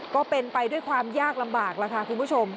ก็เป็นไปด้วยความยากลำบากแล้วค่ะคุณผู้ชม